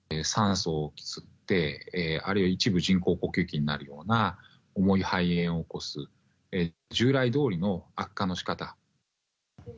酸素を吸って、あるいは一部、人工呼吸器になるような重い肺炎を起こす、従来どおりの悪化のしかた。